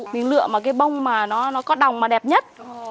mình lựa một cái bông mà nó có đồng mà đẹp nhất